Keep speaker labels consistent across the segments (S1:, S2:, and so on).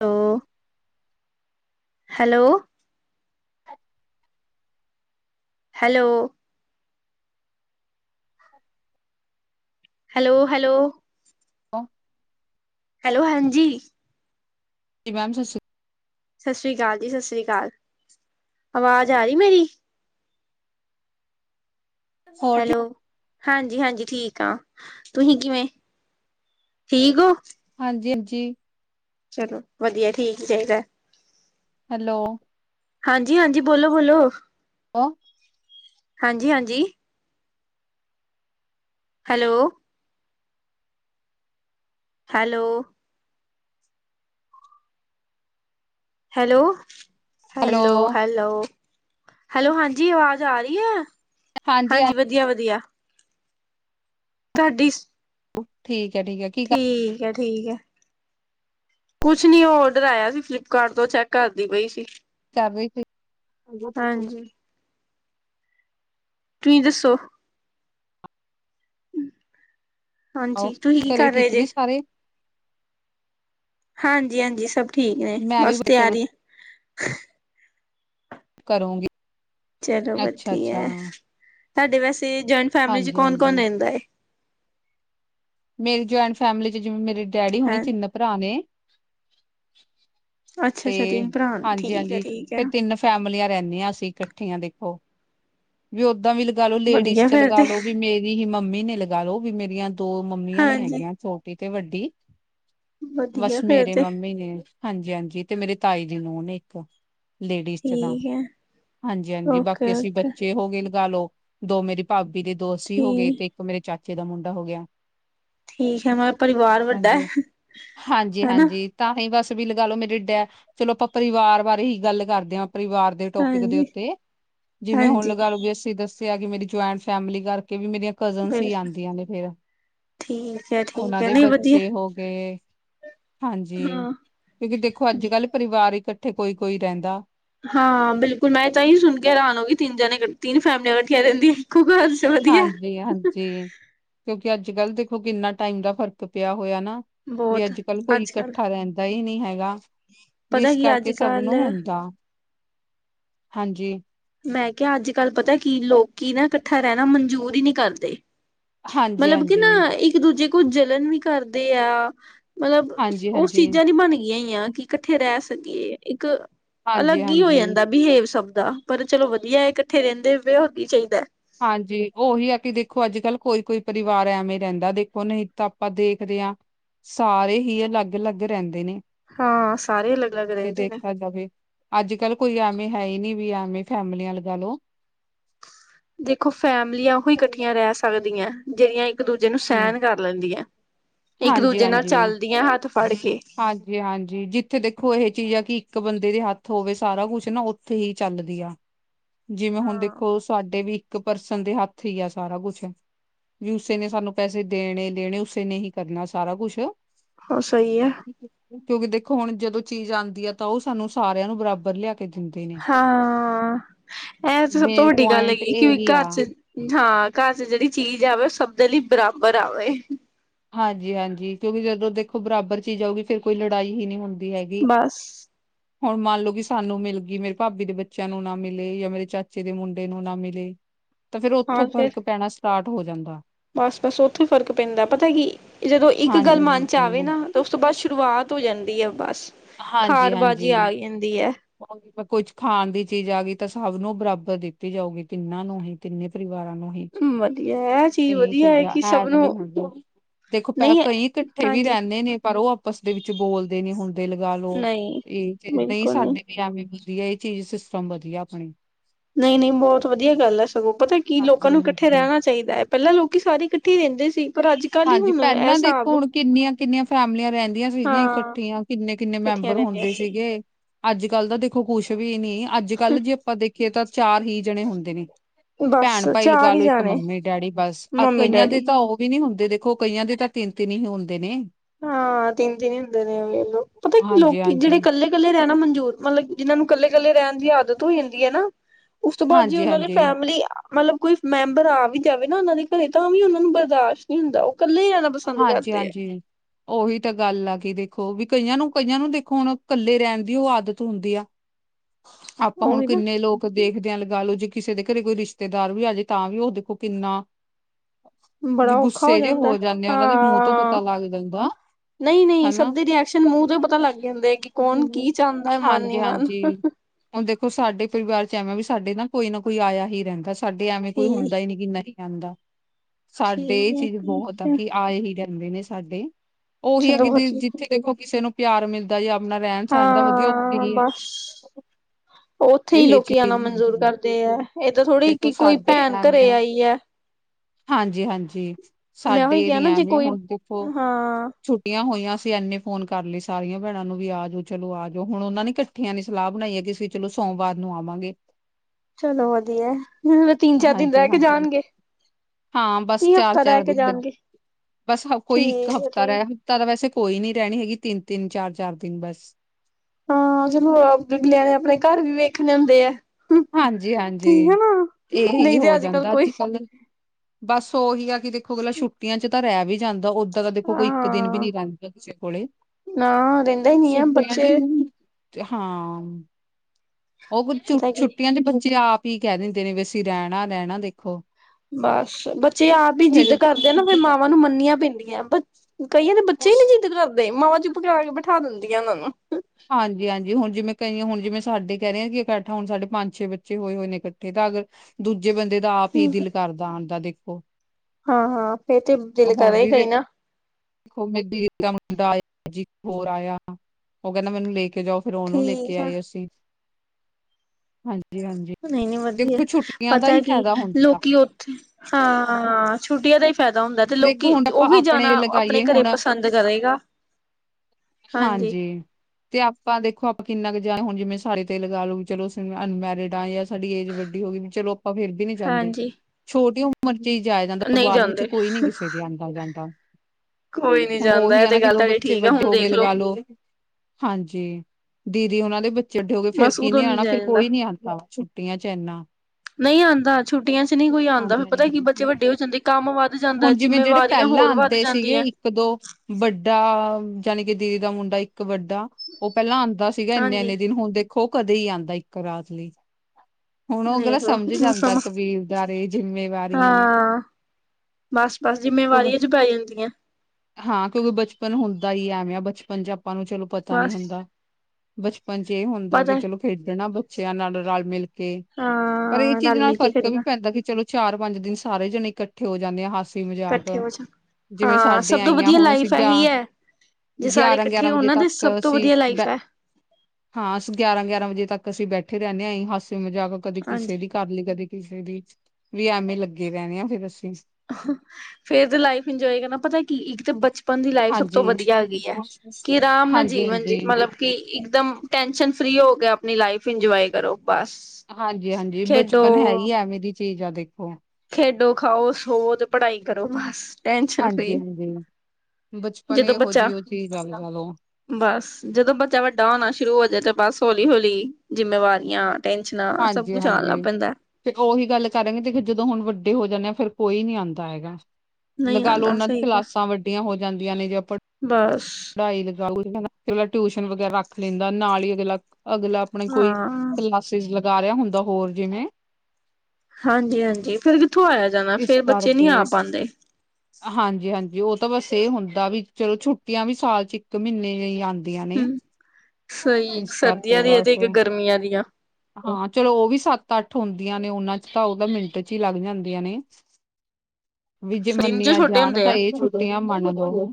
S1: Hello, hello
S2: [inaudible]
S1: hello
S2: [inaudible]
S1: hello hello
S2: [inaudible]
S1: hello ਹਾਂਜੀ
S2: ਜੀ ma'am ਸਤ ਸ਼੍ਰੀ-
S1: ਸਾਸਰੀ ਕਾਲ ਜੀ ਸਾਸਰੀ ਕਾਲ ਆਵਾਜ਼ ਆ ਰਹੀ ਮੇਰੀ।
S2: ਅਕਾਲ। ਹੋਰ ਠੀਕ
S1: ਹੈਲੋ ਹਾਂਜੀ-ਹਾਂਜੀ ਠੀਕ ਆ ਤੁਸੀਂ ਕਿਵੇਂ, ਠੀਕ ਓ?
S2: ਹਾਂਜੀ-ਹਾਂਜੀ।
S1: ਚਲੋ ਵਧੀਆ ਠੀਕ ਈ ਚਾਹੀਦਾ।
S2: ਹੈਲੋ।
S1: ਹਾਂਜੀ-ਹਾਂਜੀ, ਬੋਲੋ-ਬੋਲੋ।
S2: ਲੋ
S1: ਹਾਂਜੀ-ਹਾਂਜੀ। Hello. Hello. Hello.
S2: Hello
S1: hello hello. Hello ਹਾਂਜੀ ਆਵਾਜ਼ ਆ ਰੀ ਐ। ਹਾਂਜੀ ਵਧੀਆ-ਵਧੀਆ। ਤੁਹਾਡੀ।
S2: ਠੀਕ ਐ ਠੀਕ ਐ ਕੀ
S1: ਠੀਕ ਐ ਠੀਕ ਐ। ਕੁਛ ਨੀ ਓ ਔਡਰ ਆਇਆ ਸੀ। ਫਲਿੱਪਕਾਰਟ ਤੋਂ ਓ ਚੈੱਕ ਕਰਦੀ ਪਈ ਸੀ।
S2: [inaudible]
S1: ਹਾਂਜੀ। ਤੁਸੀਂ ਦੱਸੋ?
S2: ਆਓ
S1: ਹਾਂਜੀ। ਤੁਸੀਂ ਕੀ
S2: ਘਰੇ
S1: ਕਰ ਰੇ
S2: ਠੀਕ
S1: ਜੇ।
S2: ਨੇ ਸਾਰੇ
S1: ਹਾਂਜੀ-ਹਾਂਜੀ। ਸਭ ਠੀਕ ਨੇ
S2: ਮੈਂ ਵੀ
S1: ਬਸ
S2: ਚਲੋ
S1: ਤਿਆਰੀ।
S2: ਕਰੂਗੀ।
S1: ਚਲੋ ਵਦੀਐ, ਤੁਆਡੇ ਵੈਸੇ ਜੁਆਇੰਟ ਫੈਮਿਲੀ ਚ
S2: ਹਾਂਜੀ
S1: ਕੌਨ-ਕੌਨ
S2: ਹਾਂਜੀ
S1: ਰੈਂਦਾ ਏ।
S2: ਮੇਰੀ ਜੁਆਇੰਟ ਫੈਮਿਲੀ ਚ ਜਿਵੇਂ ਮੇਰੇ ਡੈਡੀ ਹੋਨੀ
S1: ਹੈ
S2: ਤਿੰਨ ਭਰਾ ਨੇ।
S1: ਅੱਛਾ ਅੱਛਾ
S2: ਤੇ
S1: ਤਿੰਨ ਭਰਾ ਨੇ ਠੀਕ ਹੈ
S2: ਹਾਂਜੀ-ਹਾਂਜੀ,
S1: ਠੀਕ ਹੈ
S2: ਫਿਰ ਤਿੰਨ ਫੈਮਲੀਆਂ ਰੈਂਨੇ ਆਂ ਅਸੀਂ ਕੱਠੀਆਂ ਦੇਖੋ। ਵੀ ਓਦਾਂ ਵੀ ਲਗਾ ਲੋ ਲੇਡੀਜ਼
S1: ਵਧੀਆ
S2: ਚ
S1: ਫੇਰ
S2: ਲਗਾ
S1: ਤੇ
S2: ਲੋ ਵੀ ਮੇਰੀ ਹੀ ਮੰਮੀ ਨੇ ਲਗਾ ਲੋ ਵੀ ਮੇਰੀਆਂ ਦੋ ਮੰਮੀਆਂ ਨੀ
S1: ਹਾਂਜੀ
S2: ਹੈਗੀਆਂ ਛੋਟੀ ਤੇ ਵੱਡੀ,
S1: ਵਧੀਆ
S2: ਬਸ
S1: ਫੇਰ
S2: ਮੇਰੇ
S1: ਤੇ
S2: ਮੰਮੀ ਨੇ। ਹਾਂਜੀ-ਹਾਂਜੀ ਤੇ ਮੇਰੇ ਤਾਈ ਦੀ ਨੂੰਅ ਨੇ ਇੱਕ। ਲੇਡੀਜ਼ ਚ ਤਾਂ,
S1: ਠੀਕ ਹੈ
S2: ਹਾਂਜੀ-ਹਾਂਜੀ ਬਾਕੀ
S1: ਓਕੇ
S2: ਅਸੀਂ ਬੱ
S1: ਓਕੇ
S2: ਹੋ ਗਏ ਲਗਾਲੋ ਦੋ ਮੇਰੀ ਭਾਬੀ ਦੇ ਦੋ ਅਸੀ ਹੋਗੇ ਤੇ
S1: ਠੀਕ
S2: ਇੱਕ ਮੇਰੇ ਚਾਚੇ ਦਾ ਮੁੰਡਾ ਹੋ ਗੇਆ।
S1: ਠੀਕ ਐ ਮਹਾਂ ਪਰਿਵਾਰ ਵੱਡੈ, ਹਨਾ।
S2: ਤਾਂਹੀ ਬਸ ਵੀ ਲਗਾਾਲੋ ਮੇਰੇ ਡੈ, ਚਲੋ ਆਪਾਂ ਪਰਿਵਾਰ ਬਾਰੇ ਹੀ ਗੱਲ ਕਰਦੇ ਹਾਂ ਪਰਿਵਾਰ ਟੋਪਿਕ ਦੇ
S1: ਹਾਂਜੀ
S2: ਉੱਤੇ, ਜਿਵੇਂ ਹੁਨ
S1: ਹਾਂਜੀ
S2: ਲਗਾ ਲੋ ਅਸੀਂ ਦੱਸੇਆ ਕੇ ਮੇਰੀ ਜੁਆਇੰਟ ਫੈਮਿਲੀ ਕਰਕੇ ਵੀ ਮੇਰੀਆਂ ਕਜ਼ਨਸ ਹੀ
S1: ਬਿਲਕੁਲ
S2: ਆਂਦੀਆਂ ਨੇ ਫੇਰ,
S1: ਠੀਕ ਹੈ ਠੀਕ
S2: ਓਨਾਂ
S1: ਹੈ
S2: ਦੇ
S1: ਨਹੀਂ ਵਧੀਆ
S2: ਬੱਚੇ ਹੋਗੇ। ਹਾਂਜੀ,
S1: ਹਾਂ
S2: ਕਿਓਂਕਿ ਦੇਖੋ ਅੱਜ-ਕੱਲ ਪਰਿਵਾਰ ਇਕੱਠੇ ਕੋਈ-ਕੋਈ ਰੈਂਦਾ।
S1: ਹਾਂ ਬਿਲਕੁਲ ਮੈਂ ਤਾਂਈ ਸੁਨ ਕੇ ਹੈਰਾਨ ਹੋ ਗਈ ਤਿੰਨ ਜਨੇ ਤਿੰਨ ਫੈਮਲੀਆਂ ਇਕੱਠੀਆਂ ਰੈਂਦੀਐ ਇੱਕੋ ਘਰ ਚ। ਵਧੀਆ
S2: ਹਾਂਜੀ-ਹਾਂਜੀ, ਕਿਓਂਕਿ ਅੱਜ-ਕੱਲ ਦੇਖੋ ਕਿੰਨਾ ਟਾਈਮ ਦਾ ਫ਼ਰਕ ਪਿਆ ਹੋਏਆ ਨਾ। ਵੀ
S1: ਬਹੁਤ
S2: ਅੱਜ-ਕੱਲ ਕੋਈ
S1: ਅੱਜ ਕੱਲ
S2: ਇਕੱਠਾ ਰੈਂਦਾ ਈ ਨਈ ਹੈਗਾ। ਵੀ
S1: ਪਤਾ
S2: ਇਸ
S1: ਕੀ ਅੱਜ
S2: ਕਰਕੇ ਸਬ
S1: ਕੱਲ
S2: ਨੂੰ ਹੁੰਦਾ, ਹਾਂਜੀ।
S1: ਮੈਂ ਕਿਆ ਅੱਜ-ਕੱਲ ਪਤਾ ਕੀ ਲੋਕੀ ਨਾ ਇਕੱਠਾ ਰੈਨਾ ਮਨਜੂਰ ਈ ਨਈ ਕਰਦੇ।
S2: ਹਾਂਜੀ
S1: ਮਤਲਬ ਕਿ
S2: ਹਾਂਜੀ
S1: ਨਾ ਇੱਕ ਦੂਜੇ ਕੋਲ ਜਲਨ ਵੀ ਕਰਦੇ ਆ। ਮਤਲਬ
S2: ਹਾਂਜੀ ਹਾਂਜੀ
S1: ਓਸ ਚੀਜ਼ਾਂ
S2: ਹਾਂਜੀ
S1: ਨੀ ਬਨ ਗਈਆਂ ਈ ਆ ਕੇ ਕੱਠੇ ਰੈ ਸਕੀਏ ਇੱਕ ਅਲੱਗ ਈ ਹੋ
S2: ਹਾਂਜੀ
S1: ਜਾਂਦਾ ਬਿਹੇਵ ਸਬ ਦਾ ਪਰ ਚਲੋ ਵਦੀਐ ਇਕੱਠੇ ਰੈਂਦੇ ਵੇ ਓਂ ਕੀ ਚਾਈਦੈ।
S2: ਹਾਂਜੀ ਓਹੀ ਆ ਕਿ ਦੇਖੋ ਅੱਜ-ਕੱਲ ਕੋਈ-ਕੋਈ ਪਰਿਵਾਰ ਐਵੇਂ ਰੈਂਦੈ ਦੇਖੋ ਨਹੀਂ ਤਾਂ ਆਪਾਂ ਦੇਖਦੇ ਆਂ ਸਾਰੇ ਹੀ ਅਲੱਗ-ਅਲੱਗ ਰੈਂਦੇ ਨੇ,
S1: ਹਾਂ ਸਾਰੇ ਅਲੱਗ ਅਲੱਗ
S2: ਜੇ
S1: ਰਹਿੰਦੇ ਨੇ
S2: ਦੇਖੇਆ ਜਾਵੇ। ਅੱਜ-ਕੱਲ ਕੋਈ ਐਵੇਂ ਹੈ ਈ ਨੀ ਵੀ ਐਵੇਂ ਫੈਮਲੀਆਂ ਲਗਾ ਲੋ।
S1: ਦੇਖੋ ਫੈਮਲੀਆਂ ਓਹੀ ਇਕੱਠੀਆਂ ਰੈ ਸਕਦੀਆਂ ਜੇੜੀਆਂ ਇੱਕ ਦੂਜੇ ਨੂੰ ਸੈਨ
S2: ਹਾਂਜੀ
S1: ਕਰ ਲੈਂਦੀਆਂ, ਇੱਕ
S2: ਹਾਂਜੀ
S1: ਦੂਜੇ ਨਾਲ ਚੱਲਦੀਆਂ ਹੱਥ ਫੜ ਕੇ।
S2: ਜੀ ਹਾਂਜੀ ਜਿੱਥੇ ਦੇਖੋ ਏਹ ਚੀਜ਼ ਆ ਕੇ ਇੱਕ ਬੰਦੇ ਦੇ ਹੱਥ ਹੋਵੇ ਸਾਰਾ ਕੁਛ ਨਾ ਓਥੇ ਹੀ ਚੱਲਦੀ ਆ। ਜਿਵੇਂ ਹੁਨ ਦੇਖੋ ਸਾਡੇ ਵੀ ਇੱਕ ਪਰਸਨ ਦੇ ਹੱਥ ਈ ਆ ਸਾਰਾ ਕੁਛ ਵੀ ਉਸੇ ਨੇ ਸਾਨੂੰ ਪੈਸੇ ਦੇਨੇ ਲੇਨੇ ਉਸੇ ਨੇ ਹੀ ਕਰਨਾ ਸਾਰਾ ਕੁਛ।
S1: ਓ ਸਈ ਐ।
S2: ਕਿਓਂਕਿ ਦੇਖੋ ਹੁਨ ਜਦੋਂ ਚੀਜ਼ ਆਂਦੀ ਆ ਤਾਂ ਓਹ ਸਾਨੂੰ ਸਾਰੇਆਂ ਨੂੰ ਬਰਾਬਰ ਲਿਆ ਕੇ ਦਿੰਦੇ ਨੇ।
S1: ਹਾਂ ਐਹ ਤੇ ਸਭ ਤੋਂ
S2: ਮੇਨ
S1: ਵੱਡੀ ਗੱਲ
S2: ਪੁਆਇੰਟ
S1: ਹੈਗੀ ਕੇ
S2: ਇਹੀ
S1: ਘਰ
S2: ਆ।
S1: ਚ ਹਾਂ ਘਰ ਚ ਜੇੜੀ ਚੀਜ਼ ਆਵੇ ਓ ਸਬ ਦੇ ਲਈ ਬਰਾਬਰ ਆਵੇ।
S2: ਹਾਂਜੀ-ਹਾਂਜੀ ਕਿਓਂਕਿ ਜਦੋਂ ਦੇਖੋ ਬਰਾਬਰ ਚੀਜ਼ ਆਊਗੀ ਫੇਰ ਕੋਈ ਲੜਾਈ ਹੀ ਨਹੀਂ ਹੁੰ ਹੁੰਦੀ ਹੈਗੀ।
S1: ਬਸ।
S2: ਹੁਨ ਮੰਨ ਲੋ ਕਿ ਸਾਨੂੰ ਮਿਲ ਗੀ ਮੇਰੇ ਭਾਬੀ ਦੇ ਬੱਚਿਆਂ ਨੂੰ ਨਾ ਮਿਲੇ ਜਾਂ ਮੇਰੇ ਚਾਚੇ ਦੇ ਮੁੰਡੇ ਨੂੰ ਨਾ ਮਿਲੇ ਤਾਂ ਫੇਰ ਓਥੋਂ ਫ਼ਰਕ ਪੈਨਾ ਸਟਾਟ ਹੋ ਜਾਂਦਾ।
S1: ਬਸ-ਬਸ ਓਥੋਂ ਈ ਫ਼ਰਕ ਪੈਂਦਾ ਪਤਾ ਕੀ ਜਦੋਂ ਇੱਕ
S2: ਹਾਂਜੀ
S1: ਗੱਲ ਮਨ ਚ
S2: ਹਾਂਜੀ
S1: ਆਵੇ ਨਾ ਤੇ ਉਸ ਤੋਂ ਬਾਅਦ ਸ਼ੁਰੂਆਤ ਹੋ ਜਾਂਦੀ ਐ ਬਸ ਖਾਰਬਾਜੀ ਆ ਜਾਂਦੀ ਐ।
S2: ਹੋਰ ਕੁਛ ਖਾਨ ਦੀ ਚੀਜ਼ ਆ ਗਈ ਤਾਂ ਸਬ ਨੂੰ ਬਰਾਬਰ ਦਿੱਤੀ ਜਾਊਗੀ ਤਿੰਨਾਂ ਨੂੰ ਹੀ ਤਿੰਨੇ ਪਰਿਵਾਰਾਂ ਨੂੰ।
S1: ਵਧੀਆ ਇਹ ਚੀਜ਼
S2: ਏਹੀ
S1: ਵਧੀਆ
S2: ਸਹੀ
S1: ਹੈ
S2: ਗਾ
S1: ਕਿ ਸਭ
S2: ਐਵੇ
S1: ਨੂੰ
S2: ਵੀ ਨੀ ਹੁੰਦਾ। ਦੇਖੋ ਪੈ
S1: ਨਹੀਂ
S2: ਕਈ ਕੱਠੇ ਵੀ
S1: ਹਾਂਜੀ।
S2: ਰੈਂਦੇ ਨੇ ਪਰ ਓ ਆਪਸ ਦੇ ਵਿੱਚ ਬੋਲਦੇ ਨੀ ਹੁੰ ਦੇ ਲਗਾ ਲੋ
S1: ਨਹੀਂ
S2: ਏਹ ਨਹੀਂ ਸਾਡੇ ਵੀ ਐਵੇਂ ਹੁੰਦੀ ਐ ਏਹ ਚੀਜ਼ ਸਿਸਟਮ ਵਦੀਆ ਆਪਨੇ।
S1: ਨਹੀਂ-ਨਹੀਂ ਬਹੁਤ ਵਧੀਆ ਗੱਲ ਐ ਸਗੋਂ, ਪਤਾ ਕੀ ਲੋਕਾਂ ਨੂੰ ਇਕੱਠੇ
S2: ਹਾਂਜੀ
S1: ਰਹਿਣਾ ਚਾਹੀਦਾ ਐ, ਪਹਿਲਾਂ ਲੋਕੀਂ ਸਾਰੇ ਇਕੱਠੇ ਰਹਿੰਦੇ ਸੀ। ਪਰ ਅੱਜ ਕੱਲ੍ਹ ਹੀ
S2: ਹਾਂਜੀ,
S1: ਹੁਣ ਇਹ
S2: ਪੈਲਾਂ ਦੇਖੋ
S1: ਹਿਸਾਬ
S2: ਹੁਣ ਕਿੰਨੀਆਂ-ਕਿੰਨੀਆਂ ਫੈਮਲੀਆਂ ਰਹਿੰਦੀਆਂ ਸੀਗੀਆਂ,
S1: ਹਾਂ
S2: ਇਕੱਠੀਆਂ ਕਿੰਨੇ ਕਿੰਨੇ
S1: ਇਕੱਠੀਆਂ
S2: ਮੈਂਬਰ
S1: ਰਹਿੰਦੀਆਂ
S2: ਹੁੰਦੇ
S1: ਸੀ
S2: ਸੀਗੇ। ਅੱਜ-ਕੱਲ੍ਹ ਤਾਂ ਦੇਖੋ ਕੁਛ ਵੀ ਨੀ, ਅੱਜ-ਕੱਲ੍ਹ ਜੇ ਆਪਾਂ ਦੇਖੀਏ ਤਾਂ ਚਾਰ ਹੀ ਜਣੇ ਹੁੰਦੇ ਨੇ।
S1: ਬਸ
S2: ਭੈਣ-ਭਾਈ ਲਗਾ
S1: ਚਾਰ ਹੀ
S2: ਲਓ, ਇੱਕ
S1: ਜਾਣੇ
S2: ਮੰਮੀ-ਡੈ‌ੜੀ ਬਸ, ਆ
S1: ਮੰਮੀ
S2: ਕਈਆਂ ਦੇ
S1: ਡੈਡੀ
S2: ਤਾਂ ਉਹ ਵੀ ਈ ਨੀ ਹੁੰਦੇ ਦੇਖੋ, ਕਈਆਂ ਦੇ ਤਾਂ ਤਿੰਨ-ਤਿੰਨ ਈ ਹੋਂਦੇ ਨੇ।
S1: ਹਾਂ, ਤਿੰਨ-ਤਿੰਨ ਈ ਹੁੰਦੇ ਨੇ, ਪਤਾ ਕੀ ਲੋਕੀਂ ਜਿਹੜੇ
S2: ਹਾਂਜੀ-ਹਾਂਜੀ,
S1: ਇਕੱਲੇ ਕੱਲੇ ਰਹਿਣਾ ਮਨਜੂਰ, ਮਲਬ ਜਿਹਨਾਂ ਨੂੰ ਕੱਲੇ-ਕੱਲੇ ਰਹਿਣ ਦੀ ਆਦਤ ਹੋ ਜਾਂਦੀ ਏ ਨਾ ਉਸ ਤੋਂ ਬਾਅਦ ਜੇ ਉਹਨਾਂ ਲੀ
S2: ਹਾਂਜੀ-ਹਾਂਜੀ,
S1: ਫੈਮਿਲੀ ਮਲਬ, ਕੋਈ ਮੈਂਬਰ ਆ ਵੀ ਜਾਵੇ ਨਾ ਉਹਨਾਂ ਦੇ ਘਰੇ ਤਾਂ ਵੀ ਉਹਨਾਂ ਨੂੰ ਬਰਦਾਸ਼ਤ ਨੀ ਹੁੰਦਾ, ਉਹ ਕੱਲੇ ਜਾਣਾ
S2: ਹਾਂਜੀ-ਹਾਂਜੀ। ਉਹੀ ਤਾਂ ਗੱਲ ਆਗੀ ਦੇਖੋ, ਵੀ ਕਈਆਂ ਨੂੰ, ਕਈਆਂ ਨੂੰ ਦੇਖੋ ਹੁਣ, ਕੱਲੇ ਰਹਿਣ ਦੀਓ ਆਦਤ ਹੁੰਦੀ ਆ। ਆਪਾਂ ਹੁੰਣ
S1: ਉਹੀ ਨਾ
S2: ਕਿੰਨੇ ਲੋਕ ਦੇਖਦੇ ਆਂ, ਲਗਾ ਲਓ ਜੇ ਕਿਸੇ ਦੇ ਘਰੇ ਕੋਈ ਰਿਸ਼ਤੇਦਾਰ ਵੀ ਆਜੇ ਤਾਂ ਵੀ ਉਹ ਦੇਖੋ ਕਿੰਨਾ
S1: ਬੜਾ
S2: ਵੀ
S1: ਔਖਾ
S2: ਗੁੱਸੇ ਜੇ
S1: ਜਾਂਦਾ
S2: ਹੋ ਜਾਂਨੇ ਆ, ਉਹਨਾਂ ਦੇ ਮੂੰਹ ਤੋਂ
S1: ਹਾਂ
S2: ਪਤਾ ਲਗ ਜਾਂਦਾ।
S1: ਨਹੀਂ ਨਹੀਂ ਸਭ
S2: ਹਨਾ,
S1: ਦੇ ਰਿਐਕਸ਼ਨ ਮੂੰਹ ਤੋਂ ਪਤਾ ਲੱਗ ਜਾਂਦੇ ਕਿ ਕੌਣ ਕੀ ਚਾਹੁੰਦਾ ਹੈ ਮਨ ਹੀ
S2: ਹਾਂਜੀ-
S1: ਮਨ
S2: ਹਾਂਜੀ। ਹੁਣ ਦੇਖੋ, ਸਾਡੇ ਪਰਿਵਾਰ ਚ ਐਵੇਂ ਵੀ ਸਾਡੇ ਨਾ ਕੋਈ ਨਾ ਕੋਈ ਆਇਆ ਹੀ ਰਹਿੰਦਾ, ਸਾਡੇ ਐਵੇਂ ਕੋਈ ਹੁੰਦਾ
S1: ਠੀਕ
S2: ਈ ਨੀ ਕਿ ਨਹੀਂ ਜਾਂਦਾ, ਸਾਡੇ
S1: ਠੀਕ
S2: ਇਹ
S1: ਹੈ
S2: ਚੀਜ਼ ਬਹੁਤ
S1: ਠੀਕ
S2: ਆ
S1: ਹੈ
S2: ਕਿ ਆਏ ਹੀ ਰਹਿ ਕਿੰਦੇ ਨੇ ਸਾਡੇ, ਉਹੀ
S1: ਚਲੋ
S2: ਅੱਗੇ
S1: ਵਧੀਆ
S2: ਜਿੱਥੇ ਦੇਖੋ ਕਿਸੇ ਨੂੰ ਪਿਆਰ ਮਿਲਦਾ ਜਾਂ ਆਪਣਾ ਰਹਿਣ-ਸਹਿਣ ਦਾ ਵਧੀਆ ਉੱਥੇ
S1: ਹਾਂ
S2: ਕੀ ਏ।
S1: ਬਸ ਉੱਥੇ ਈ ਲੋਕੀ
S2: ਚੀਜ਼
S1: ਆਨਾਂ ਮਨਜ਼ੂਰ
S2: ਹੁੰਦੀ ਹੈ।
S1: ਕਰਦੇ ਐ, ਏਦਾਂ ਥੋੜੀ
S2: ਦੇਖੋ
S1: ਕਿ ਕੋਈ
S2: ਸਾਡੇ
S1: ਭੈਣ ਘਰੇ
S2: ਐਵੇਂ
S1: ਆਈ ਐ
S2: ਹਾਂਜੀ-ਹਾਂਜੀ,
S1: ਮੈਂ ਉਹੀ
S2: ਸਾਡੇ
S1: ਕਿਹਾ
S2: ਵੀ
S1: ਨਾ ਜੇ
S2: ਐਵੇਂ
S1: ਕੋਈ
S2: ਹੁਣ ਦੇਖੋ
S1: ਹਾਂ
S2: ਛੁੱਟੀਆਂ ਹੋਈਆਂ ਸੀ, ਐੰਨੇ ਫੋਨ ਕਰਲੇ ਸਾਰੀਆਂ ਭੈਣਾਂ ਨੂੰ ਵੀ ਆਜੋ, ਚਲੋ ਆਜੋ, ਹੁਣ ਉਹਨਾਂ ਨੇ ਇਕੱਠੀਆਂ ਨੇ ਸਲਾਹ ਬਣਾਈ ਏ ਕਿ, ਅਸੀਂ ਚਲੋ ਸੋਮਵਾਰ ਨੂੰ ਆਵਾਂਗੇ।
S1: ਚਲੋ, ਵਧੀਆ ਹੁਣ ਤਿੰਨ-ਚਾਰ ਦਿਨ
S2: ਹਾਂਜੀ
S1: ਰਹਿ ਕੇ
S2: ਹਾਂਜੀ
S1: ਜਾਣਗੇ।
S2: ਹਾਂ, ਬਸ
S1: ਕੀ ਹਫ਼ਤਾ ਰਹਿ
S2: ਚਾਰ-ਚਾਰ
S1: ਕੇ
S2: ਦਿਨ
S1: ਜਾਣਗੇ
S2: ਲੱਗੇ, ਬਸ ਕੋਈ ਇੱਕ
S1: ਠੀਕ ਹੈ
S2: ਹਫ਼ਤਾ
S1: ਠੀਕ
S2: ਰਹਿ ਤਾਂ, ਤਾਂ ਵੈਸੇ ਕੋਈ ਨੀ ਰਹਿਣੀ ਹੈਗੀ। ਤਿੰਨ-ਤਿੰਨ, ਚਾਰ-ਚਾਰ ਦਿਨ ਬਸ।
S1: ਹਾਂ, ਜਲੋ ਅਗਲਿਆਂ ਨੇ ਆਪਣੇ ਘਰ ਵੀ ਵੇਖਣੇ ਹੁੰਦੇ ਐ।
S2: ਹਾਂਜੀ-ਹਾਂਜੀ, ਇਹੀ
S1: ਨਹੀਂ ਤੇ
S2: ਹੋ
S1: ਅੱਜ ਕੱਲ
S2: ਜਾਂਦਾ
S1: ਕੋਈ
S2: ਅੱਜ-ਕੱਲ੍ਹ। ਬਸ ਉਹੀ ਆ ਕਿ ਦੇਖੋ, ਅਗਲਾ ਛੁੱਟੀਆਂ 'ਚ ਤਾਂ ਰਹਿ ਵੀ ਜਾਂਦਾ, ਉ ਦਾ ਤਾਂ ਦੇਖੋ, ਕੋਈ ਇੱਕ ਦਿਨ ਵੀ
S1: ਹਾਂ
S2: ਨੀ ਰਹਿੰਦਾ ਕਿਸੇ ਕੋਲ਼ੇ।
S1: ਨਾ ਰਹਿੰਦਾ ਹੀ ਨਹੀਂ ਹੈ
S2: ਛੁੱਟੀਆਂ 'ਚ ਵੀ
S1: ਬੱਚੇ
S2: ਨੀ। ਹਾਂ, ਉਹ ਫ਼ਿਰ ਛੁ
S1: ਪਤਾ ਕੀ
S2: ਕਹਿੰਦੇ, ਬੱਚੇ ਆਪ ਈ ਕਹਿ ਦਿੰਦੇ ਨੇ, ਵੀ ਅਸੀਂ ਰਹਿਣਾ-ਰਹਿਣਾ ਦੇਖੋ
S1: ਬਸ, ਬੱਚੇ ਆਪ ਈ ਜ਼ਿੱਦ
S2: ਫਿਰ
S1: ਕਰਦੇ ਨਾ, ਫਿਰ ਮਾਵਾਂ ਨੂੰ ਮੰਨੀਆਂ ਪੈਂਦੀਆਂ ਬ ਕਈਆਂ ਦੇ ਬੱਚੇ ਈ ਨੀ
S2: ਕੁਛ
S1: ਜਿੱਦ ਕਰਦੇ, ਮਾਵਾਂ ਚੁਪ ਕਰਾਕੇ ਬਿਠਾ ਦਿੰਦੀਆਂ ਉਹ ਨੂੰ।
S2: ਹਾਂਜੀ-ਹਾਂਜੀ ਹੁਣ ਜਿਵੇਂ ਕਈ ਏ, ਹੁਣ ਜਿਵੇਂ ਸਾਡੇ ਕਹਿ ਰਹੇ ਆ ਕਿ ਇਕੱਠਾ, ਹੁਣ ਸਾਡੇ ਪੰਜ-ਛੇ ਬੱਚੇ ਹੋਏ-ਹੋਏ ਨੇ ਇਕੱਠੇ ਤਾਂ ਅਗਰ ਦੂਜੇ ਬੰਦੇ ਦਾ ਆਪ ਹੀ ਦਿਲ ਕਰਦਾ ਆਂਣ ਦਾ ਦੇਖੋ।
S1: ਹਾਂ-ਹਾਂ, ਫੇਰ ਤੇ ਦਿਲ ਕਰੇਗਾ ਈ ਨਾ।
S2: ਓਹ ਮੇਰੀ ਦੀਦੀ ਦਾ ਮੁੰਡਾ ਆਇਆ ਅੱਜ ਈ, ਹੋਰ ਆਇਆ ਉਹ ਕਹਿੰਦਾ ਮੈਨੂੰ ਲੇ ਕੇ ਜਾਓ। ਫਿਰ ਉਹਨੂੰ ਲੇ ਕੇ
S1: ਠੀਕ ਆ
S2: ਆਏ ਅਸੀਂ, ਹਾਂਜੀ-ਹਾਂਜੀ।
S1: ਨਹੀਂ-ਨਹੀਂ ਵਧੀਆ
S2: ਦੇਖੋ ਛੁੱਟੀਆਂ ਦਾ
S1: ਪਤਾ
S2: ਹੀ
S1: ਕੀ
S2: ਫਾਇਦਾ ਹੁੰਦਾ
S1: ਲੋਕੀ ਉੱਥੇ, ਹਾਂ ਛੁੱਟੀਆਂ ਦਾ ਈ ਫੈਦਾ ਹੁੰਦਾ ਤੇ
S2: ਦੇਖੋ
S1: ਲੋਕੀ,
S2: ਹੁਣ ਆਪਾਂ
S1: ਉਹੀ
S2: ਆਪਣੇ
S1: ਜਾਣਾ ਆਪਣੇ
S2: ਲਗਾਈਏ
S1: ਘਰੇ
S2: ਹੁਣ
S1: ਪਸੰਦ ਕਰੇਗਾ
S2: ਹਾਂਜੀ। ਤੇ ਆਪਾਂ ਦੇਖੋ ਆਪਾਂ ਕਿੰਨਾ ਕੁ ਜਾ, ਹੁਣ ਜਿਵੇਂ ਸਾਰੇੇ ਤੇ ਲਗਾ ਲਓ, ਚਲੋ ਅਸੀਂ ਅਨਮੈਰਿਡ ਆ ਜਾਂ ਸਾਡੀ ਏਜ ਵੱਡੀ ਹੋ ਗਈ ਵੀ ਚਲੋ ਆਪਾਂ ਫਿਰ! ਨਹੀਂ ਜਾਂਦੇ
S1: ਹਾਂਜੀ
S2: ਛੋਟੀ ਉਮਰ ਚ ਹੀ ਜਾਇਆ ਜਾਂਦਾ
S1: ਨਹੀਂ
S2: ਬਾਅਦ ਵਿੱਚ
S1: ਜਾਂਦੇ
S2: ਕੋਈ ਨੀ ਕਿਸੇ ਦੀ ਆ ਜਾਂਦਾ ਜਾਂਦਾ
S1: ਕੋਈ ਨੀ ਜਾਂਦਾ
S2: ਉਹੀ
S1: ਇਹ
S2: ਹਨ ਨਾ
S1: ਤੇ ਗੱਲ
S2: ਜਦੋਂ
S1: ਤੁਹਾਡੀ
S2: ਬੱਚੇ
S1: ਠੀਕ ਆ
S2: ਵੱਡ
S1: ਹੁਣ
S2: ਹੋ ਗਏ
S1: ਦੇਖ
S2: ਲਗਾ ਲੋ ਹਾਂਜੀ ਦੀਦੀ ਉਹਨਾਂ ਦੇ ਬ ਚੇ ਵੱਡੇ ਹੋ ਗਏ ਫੇਰ
S1: ਬਸ ਉਦੋਂ
S2: ਕਿਨੇ
S1: ਨੀ
S2: ਆਣਾ
S1: ਜਾਇਆ
S2: ਫਿਰ
S1: ਜਾਂਦਾ।
S2: ਕੋਈ ਨੀ ਆਉਂਦਾ ਛੁੱਟੀਆਂ ਚ ਇੰਨਾ
S1: ਨਹੀਂ ਆਉਂਦਾ ਛੁਟੀਆਂ ਚ ਨਹੀਂ ਕੋਈ ਆਉਂਦਾ ਫਿਰ
S2: ਹਾਂਜੀ
S1: ਪਤਾ ਕੀ ਬੱਚੇ
S2: ਹਾਂਜੀ।
S1: ਵੱਡੇ ਹੋ ਜਾਂਦੇ ਕੰਮ ਵ
S2: ਹੁਣ ਜਿਵੇਂ ਜਿਹੜੇ ਪਹਿਲਾਂ ਆਂਦੇ ਸੀਗੇ ਇੱਕ ਦੋ ਵੱਡਾ ਜਾਣੀ ਕਿ ਦੀਦੀ ਦਾ ਮੁੰਡਾ ਇੱਕ ਵੱਡਾ ਉਹ ਪਹਿਲਾਂ ਆਂਦਾ ਸੀ। ਸੀਗਾ ਇੰਨੇ
S1: ਹਾਂਜੀ
S2: ਇੰਨੇ ਦਿਨ ਹੁਣ ਦੇਖੋ ਕਦੇ ਹੀ ਆਉਂਦਾ ਇੱਕ ਰਾਤ ਲਈ ਹੁਣ ਉਹ ਅਗਲਾ
S1: ਦੇਖ ਲੋ
S2: ਸਮਝ
S1: ਹੁਣ
S2: ਜਾਂਦਾ
S1: ਸਮਾਂ
S2: ਕਬੀਰਦਾਰੇ, ਜਿੰਮੇਵਾਰੀਆਂ।
S1: ਹਾਂ ਬਸ ਬਸ
S2: ਕਿਉਂਕਿ
S1: ਜਿੰਮੇਵਾਰੀਆਂ ਜੂ ਪੈ ਜਾਂਦੀਆਂ।
S2: ਹਾਂ ਕਿਉਂਕਿ ਬਚਪਨ ਹੁੰਦਾ ਹੀ ਐਵੇਂ ਆ ਬਚਪਨ ਚ ਆਪਾਂ ਨੂੰ ਚਲੋ ਪਤਾ ਨਹੀਂ
S1: ਬਸ
S2: ਹੁੰਦਾ। ਬਚਪਨ ਚ ਇਹ ਹੁੰਦਾ
S1: ਪਤਾ
S2: ਕਿ
S1: ਹੈ,
S2: ਚਲੋ ਖੇਡਣਾ ਬੱਚਿਆਂ ਨਾਲ ਰਲ ਮਿਲ ਕੇ ਪਰ ਇਹ
S1: ਹਾਂ
S2: ਚੀਜ਼
S1: ਰਲ
S2: ਨਾਲ
S1: ਮਿਲ ਕੇ
S2: ਫਰਕ
S1: ਖੇਡਣਾ
S2: ਵੀ ਪੈਂਦਾ ਕਿ ਚਲੋ ਚਾਰ ਪੰਜ ਦਿਨ ਸਾਰੇ ਜਾਣੇ ਇਕੱਠੇ! ਇਕੱਠੇ ਹੋ ਜਾਂਦੇ ਆ ਹਾਸੀ ਮਜ਼ਾਕ
S1: ਇਕੱਠੇ ਹੋ ਜਾ
S2: ਜਿਵੇਂ
S1: ਹਾਂ
S2: ਸਾਡੇ
S1: ਸਭ ਤੋਂ
S2: ਆਈਆਂ
S1: ਵਧੀਆ
S2: ਹੁਣ
S1: ਲਾਈਫ
S2: ਸੀਗਾ
S1: ਇਹੀ ਹੈ ਜੇ ਸਾਰੇ
S2: ਗਿਆਰਾਂ
S1: ਇਕੱਠੇ
S2: ਗਿਆਰਾਂ
S1: ਹੋਣ
S2: ਵਜੇ
S1: ਨਾ ਤੇ
S2: ਤੱਕ
S1: ਸਭ ਤੋਂ
S2: ਅਸੀਂ
S1: ਵਧੀਆ ਲਾਈਫ
S2: ਬ
S1: ਹੈ
S2: ਹਾਂ ਅਸੀਂ ਗਿਆਰਾਂ ਗਿਆਰਾਂ ਵਜੇ ਤੱਕ ਅਸੀਂ ਬੈਠੇ ਰਹਿੰਦੇ ਹਾਂਸੇ ਮਜ਼ਾਕ ਕਦੇ
S1: ਹਾਂਜੀ
S2: ਕਿਸੇ ਦੀ ਕਰ ਲਈ ਕਦੇ ਕਿਸੇ ਦੀ ਵੀ ਐਵੇਂ ਲੱਗੇ ਰਹਿਣੇ ਆ ਫੇਰ ਅਸੀਂ।
S1: ਫੇਰ ਤੇ ਲਾਈਫ ਇੰਜੋਏ ਕਰਨਾ ਪਤਾ ਕੀ ਇੱਕ ਤਾਂ ਬਚਪਨ ਪਨ ਦੀ ਲਾਈਫ ਸਭ
S2: ਹਾਂਜੀ
S1: ਤੋਂ ਵਧੀਆ ਹੈਗੀ ਹੈ ਕਿ ਆਰਾਮ ਨਾਲ
S2: ਹਾਂਜੀ
S1: ਜੀਵਨ ਜੀ
S2: ਹਾਂਜੀ
S1: ਮਤਲਬ ਕਿ ਇਕਦਮ ਟੈਨਸ਼ਨ ਫ੍ਰਰੀ ਹੋ ਕੇ ਆਪਣੀ ਲਾਈਫ ਇੰਜੋਏ ਕਰੋ ਬਸ।
S2: ਹਾਂਜੀ ਹਾਂਜੀ
S1: ਖੇਡੋ,
S2: ਬਚਪਨ ਹੈ ਹੀ ਐਵੇੇ ਦੀ ਚੀਜ਼ ਆ ਦੇਖੋ
S1: ਖੇਡੋ ਖਾਓ ਸੋਵੋ ਤੇ ਪੜ੍ਹਾਈ ਕਰੋ ਬਸ ਟੈਸ਼ਨ
S2: ਹਾਂਜੀ
S1: ਫ੍ਰੀ।
S2: ਹਾਂਜੀ ਬਚਪਨ
S1: ਜਦੋਂ
S2: ਇਹੋ
S1: ਬੱਚਾ
S2: ਜਿਹੀ ਉਹ ਜਿਹੀ ਗੱਲ
S1: ਬਸ ਜਦੋਂ ਬੱਚਾ ਵੱਡਾ ਹੋਣਾ ਸ਼ੁਰੂ ਹੋ ਜਾਵੇ ਤਾਂ ਬਸ ਹੌਲੀ ਹੌਲੀ ਜਿੰਮੇਵਾਰੀਆਂ ਟੈਨਸ਼ਨਾਂ ਸਭ
S2: ਹਾਂਜੀ
S1: ਕੁੱਛ ਆਉਣ ਲੱਗ
S2: ਹਾਂਜੀ
S1: ਪੈਂਦਾ
S2: ਫਿਰ ਉਹੀ ਗੱਲ ਕਰਾਂਗੇ ਤੇ ਕਿ ਜਦੋਂ ਹੁਣ ਵੱਡੇ ਹੋ ਜਾਂਦੇ ਆ ਫਿਰ ਕੋਈ ਨੀ ਆਉਂਦਾ ਹੈਗਾ।
S1: ਨਹੀਂ
S2: ਲਗਾ ਲੋ
S1: ਆਂਦਾ
S2: ਉਹਨਾਂ ਦੀ
S1: ਸਹੀ ਕਿਹਾ
S2: ਕਲਾਸਾਂ ਵੱਡੀਆਂ ਹੋ ਜਾਂਦੀਆਂ ਨੇ ਜੇ ਪ
S1: ਬਸ
S2: ਪੜ੍ਹਾਈ ਲਗਾਊਗ ਟਿਊਸ਼ਨ ਵਗੈਰਾ ਰੱਖ ਲੈਂਦਾ ਨਾਲ ਹੀ ਅਗਲਾ ਅਗਲਾ ਆਪਣੇ ਕੋਈ
S1: ਹਾਂ।
S2: ਕਲਾਸਿਸ ਲਗਾ ਰਿਹਾ ਹੁੰਦਾ ਹੋਰ ਜਿਵੇਂ
S1: ਹਾਂਜੀ ਹਾਂਜੀ ਫੇਰ ਕਿੱਥੋਂ ਆਇਆ ਜਾਣਾ
S2: ਇਸ
S1: ਫੇਰ ਬੱਚੇ ਨਹੀਂ
S2: ਕਰਕੇ
S1: ਆ ਆਂਦੇ
S2: ਹਾਂਜੀ ਹਾਂਜੀ ਉਹ ਤਾਂ ਬਸ ਇਹ ਹੁੰਦਾ ਵੀ ਚਲੋ ਛੁੱ ਛੁੱਟੀਆਂ ਵੀ ਸਾਲ ਚ ਇਕ ਮਹੀਨੇ ਆਂਦੀਆਂ ਨੇ
S1: ਹੂੰ। ਸਹੀ
S2: ਇਸ ਕਰਕੇ
S1: ਸਰਦੀਆਂ ਦੀਆਂ ਤੇ
S2: ਬਸ
S1: ਇੱਕ ਗਰਮੀਆਂ ਦੀਆਂ
S2: ਹਾਂ ਚਲੋ ਉਹ ਵੀ ਸੱਤ ਅੱਠ ਹੁੰਦੀਆਂ ਨੇ ਉਹਨਾਂ ਚ ਤਾਂ ਉਹ ਤਾਂ ਮਿੰਟ ਚ ਹੀ ਲੱਗ ਜਾਂਦੀਆਂ ਨੇ ਵੀ ਜੇ
S1: ਦਿਨ ਚ
S2: ਮੰਨੀਆਂ
S1: ਛੋਟੇ
S2: ਜਾਣ
S1: ਹੁੰਦੇ
S2: ਤਾਂ
S1: ਆ
S2: ਇਹ ਛੁੱਟੀਆਂ ਮੰਨ ਦੋ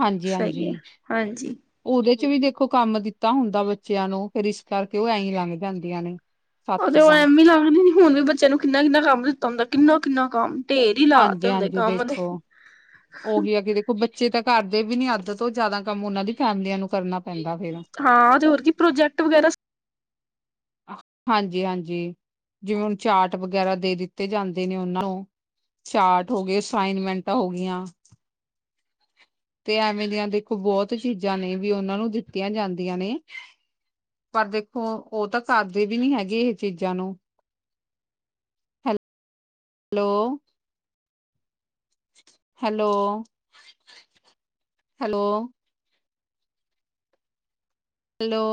S2: ਹਾਂਜੀ
S1: ਸਹੀ
S2: ਹਾਂਜੀ।
S1: ਹੈ ਹਾਂਜੀ
S2: ਉਹਦੇ ਚ ਵੀ ਦੇਖੋ ਕੰਮ ਦਿੱਤਾ ਹੁੰਦਾ ਬੱਚਿਆਂ ਨੂੰ ਫਿਰ ਇਸ ਕਰਕੇ ਉਹ ਐਂ ਲੰਘ ਜਾਂਦੀਆਂ ਨੇ।
S1: ਹ
S2: ਸੱਤ ਤਾਂ
S1: ਐਵੇਂ ਲੱਗਦੇ ਨ ਹੁਣ ਵੀ ਬੱਚੇ ਨੂੰ ਕਿੰਨਾ ਕਿੰਨਾ ਕੰਮ ਦਿੱਤਾ ਹੁੰਦਾ ਕਿੰਨਾ ਕਿੰਨਾ ਕੰਮ ਢੇਰ ਹੀ ਲਾ ਤੇ ਹੁੰਦੇ
S2: ਹਾਂਜੀ-ਹਾਂਜੀ
S1: ਕੰਮ ਦੇ
S2: ਦੇਖੋ ਉਹੀ ਆ ਕਿ ਦੇਖੋ ਬੱਚੇ ਤਾਂ ਘਰਦੇ ਵੀ ਨੀ ਅੱਧ ਤੋਂ ਜਿਆਦਾ ਕੰਮ ਉਹਨਾਂ ਦੀ ਫੈਮਲੀਆਂ ਨੂੰ ਕਰਨਾ ਪੈਂਦਾ ਫੇਰ
S1: ਹਾਂ ਤੇ ਹੋਰ ਕੀ ਪ੍ਰੋਜੈਕਟ ਵਗੈਰਾ
S2: ਹਾਂਜੀ ਹਾਂਜੀ ਜਿਵੇਂ ਹੁਣ ਚਾਟ ਵਗੈਰਾ ਦੇ ਦਿੱਤੇ ਜਾਂਦੇ ਨੇ ਉਹਨਾਂ ਨੂੰ ਚਾਰਟ ਹੋ ਗਏ ਅਸਾਈਨਮੈਂਟਾਂ ਹੋ ਗਿਆ ਤੇ ਐਵੇਂ ਦੀਆਂ ਦੇਖੋ ਬਹੁਤ ਚੀਜ਼ਾਂ ਨੇ ਵੀ ਉਹਨਾਂ ਨੂੰ ਦਿੱਤੀਆਂ ਜਾਂਦੀਆਂ ਨੇ ਪਰ ਦੇਖੋ ਉਹ ਤਾਂ ਕਰਦੇ ਵੀ ਨੀ ਹੈਗੇ ਇਹ ਚੀਜ਼ਾਂ ਨੂੰ ਹੈਲੋ ਹੈਲੋ ਹੈਲੋ ਹੈਲੋ